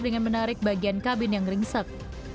dengan menarik bagian kabin yang ringsek